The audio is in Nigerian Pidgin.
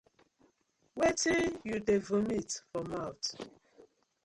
Wetin yu dey vomit for mouth.